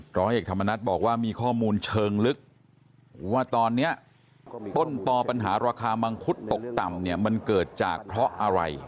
ร้อยเอกธรรมนัฏบอกว่ามีข้อมูลเชิงลึกว่าตอนนี้ต้นต่อปัญหาราคามังคุดตกต่ำเนี่ยมันเกิดจากเพราะอะไร